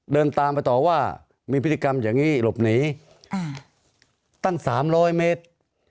เดินตามไปต่อว่ามีพฤติกรรมอย่างนี้หลบหนีตั้ง๓๐๐เมตร